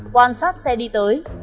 quan sát xe đi tới